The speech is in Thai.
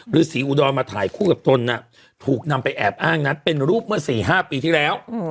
ฤษีอุดรมาถ่ายคู่กับตนถูกนำไปแอบอ้างนั้นเป็นรูปเมื่อ๔๕ปีที่แล้ว